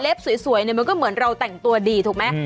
สวยเนี่ยมันก็เหมือนเราแต่งตัวดีถูกไหม